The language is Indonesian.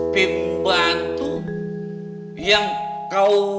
pembantu yang kau